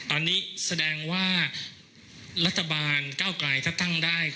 อันนี้แสดงว่ารัฐบาลก้าวไกลถ้าตั้งได้